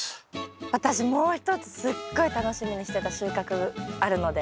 私もう一つすっごい楽しみにしてた収穫あるので。